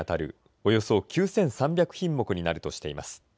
およそ９３００品目になるとしています。